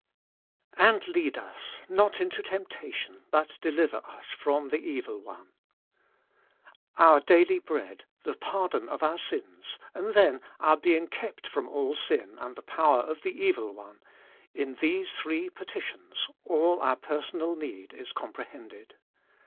^^ And lead tis not into temptation, but deliver us from the evil one y Our daily bread, the pardon of our sins, and then our being kept from all sin and the power of the evil one, in these three petitions all our personal need is comprehended.